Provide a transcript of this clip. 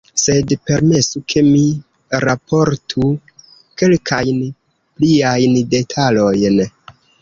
Sed permesu ke mi raportu kelkajn pliajn detalojn.